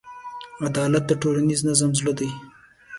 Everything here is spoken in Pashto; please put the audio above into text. عدالت د ټولنیز نظم زړه دی.